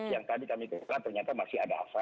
yang tadi kami lakukan ternyata masih ada asap